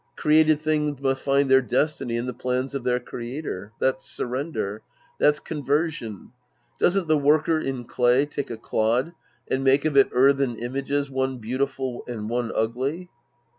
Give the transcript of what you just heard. Created things must find their destiny in the plans of their creator. That's surrender. That's conversion. Doesn't the worker in clay take a clod and make of it earthen images one beautiful and one ugly